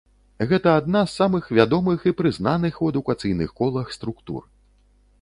Гэта адна з самых вядомых і прызнаных у адукацыйных колах структур.